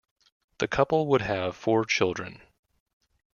The couple would have four children.